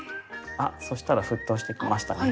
あそしたら沸騰してきましたね。